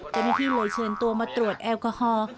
เจ้าหน้าที่เลยเชิญตัวมาตรวจแอลกอฮอล์